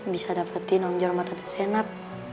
bisa dapetin om jaromata dezenap